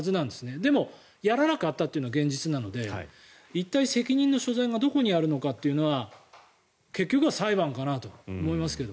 でもやらなかったというのが現実なので一体、責任の所在がどこにあるのかというのは結局は裁判かなと思いますけど。